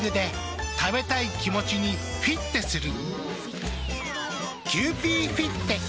食べたい気持ちにフィッテする。